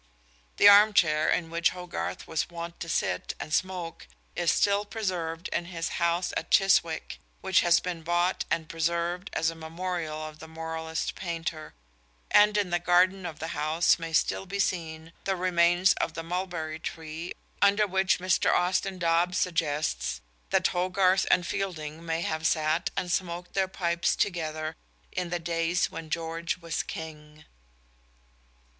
The arm chair in which Hogarth was wont to sit and smoke is still preserved in his house at Chiswick, which has been bought and preserved as a memorial of the moralist painter; and in the garden of the house may still be seen the remains of the mulberry tree under which Mr. Austin Dobson suggests that Hogarth and Fielding may have sat and smoked their pipes together in the days when George was King.